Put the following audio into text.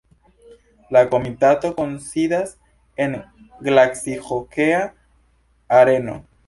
La komitato kunsidas en glacihokea areno.